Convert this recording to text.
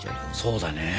そうだね。